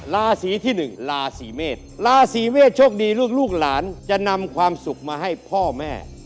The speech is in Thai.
ราศีที่๑ราศีเมษราศีเมษโชคดีลูกหลานจะนำความสุขมาให้พ่อแม่